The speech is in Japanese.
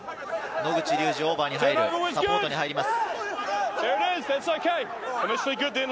野口竜司、オーバーに入る、サポートに入ります。